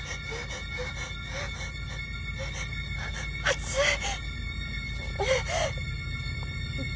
熱い。